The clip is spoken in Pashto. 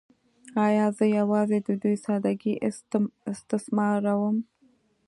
“ایا زه یوازې د دوی ساده ګۍ استثماروم؟